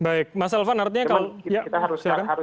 baik mas elvan artinya kalau